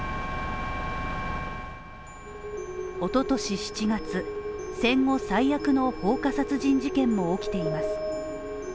一昨年７月、戦後最悪の放火殺人事件も起きています。